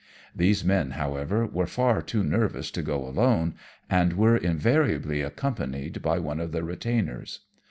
These men, however, were far too nervous to go alone, and were invariably accompanied by one of the retainers.